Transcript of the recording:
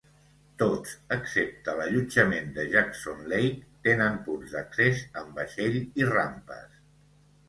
Tots, excepte l'allotjament de Jackson Lake, tenen punts d'accés en vaixell i rampes.